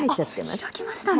あっ開きましたね。